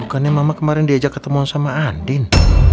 bukannya mama kemarin diajak ketemu sama andin